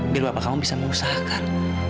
biar bapak kamu bisa mengusahakan